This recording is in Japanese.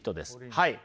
はい。